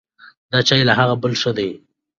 دا چای له هغه بل ښه دی.